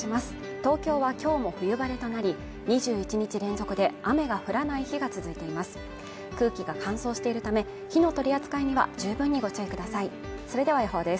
東京は今日も冬晴れとなり２１日連続で雨が降らない日が続いています